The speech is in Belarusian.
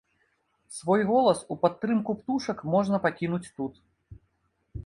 Свой голас у падтрымку птушак можна пакінуць тут.